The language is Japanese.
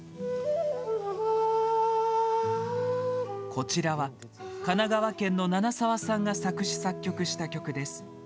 こちらは神奈川県の七さわさんが作詞・作曲した曲です。